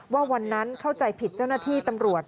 ว่าวันนั้นเข้าใจผิดเจ้าหน้าที่ตำรวจ